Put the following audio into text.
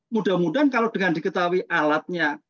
mudah mudahan kalau dengan diketahui alatnya